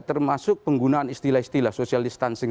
termasuk penggunaan istilah istilah social distancing